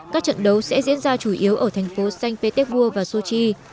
các trận đấu sẽ diễn ra chủ yếu ở thành phố sanh petersburg và sochi